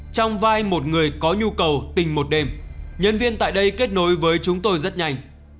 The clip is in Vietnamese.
trong vai một người có nhu cầu tình một đêm nhân viên tại đây kết nối với chúng tôi rất nhanh